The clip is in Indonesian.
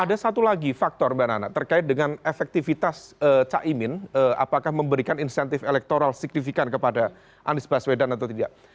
ada satu lagi faktor mbak nana terkait dengan efektivitas caimin apakah memberikan insentif elektoral signifikan kepada anies baswedan atau tidak